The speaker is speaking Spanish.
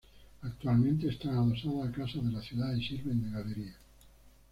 Actualmente están adosadas a casas de la ciudad y sirven de galerías.